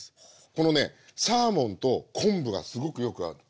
このねサーモンと昆布がすごくよく合うの。